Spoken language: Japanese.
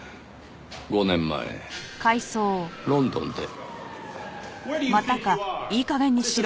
５年前ロンドンで。